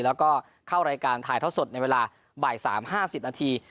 แล้วก็เข้ารายการถ่ายท่อสดในเวลาบ่าย๓๕๐นาที